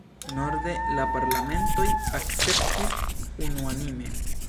Norde la parlamentoj akceptis unuanime.